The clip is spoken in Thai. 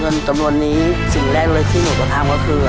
เงินจำนวนนี้สิ่งแรกเลยที่หนูจะทำก็คือ